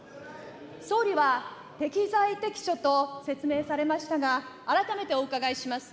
総理は適材適所と説明されましたが、改めてお伺いします。